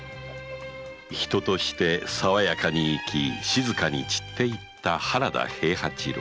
人として爽やかに生き静かに散っていった原田平八郎